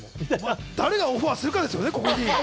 誰がオファーするかですね。